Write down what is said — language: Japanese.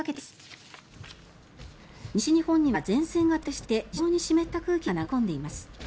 西日本には前線が停滞していて非常に湿った空気が流れ込んでいます。